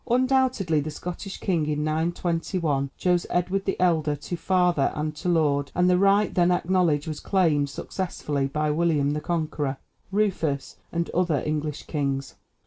Undoubtedly the Scottish king in 921 chose Edward the Elder "to father and to lord," and the right then acknowledged was claimed successively by William the Conqueror, Rufus, and other English kings.